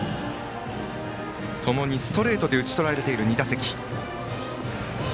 共にストレートで打ち取られている２打席。